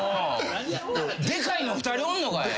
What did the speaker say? でかいの２人おんのかい。